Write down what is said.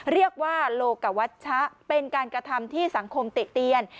เรียกว่าโลกวัชชะเป็นการกระทำที่สังคมติเตียน